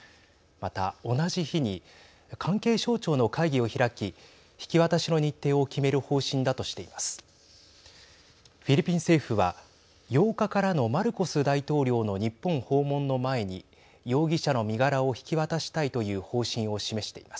また同じ日に関係省庁の会議を開き引き渡しの日程を決める方針だとしています。